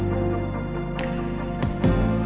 terima kasih ya